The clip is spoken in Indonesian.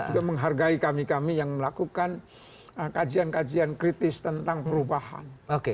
juga menghargai kami kami yang melakukan kajian kajian kritis tentang perubahan